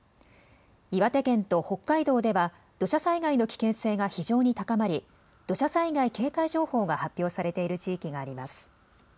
岩手県と北海道では土砂災害の危険性が非常に高まり土砂災害警戒情報が発表されている地域があります。